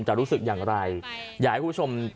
รู้สึกอย่างไรอยากให้คุณผู้ชม